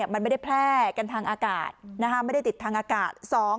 มันไม่ได้แพร่กันทางอากาศไม่ได้ติดทางอากาศ